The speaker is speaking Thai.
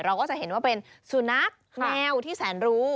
เราก็จะเห็นว่าเป็นสุนัขแมวที่แสนรู้